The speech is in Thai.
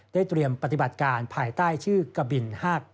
เตรียมปฏิบัติการภายใต้ชื่อกะบิน๕๙